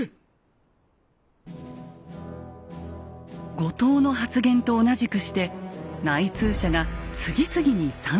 後藤の発言と同じくして内通者が次々に賛成を表明。